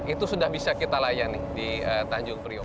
itu sudah bisa kita layani di tanjung priok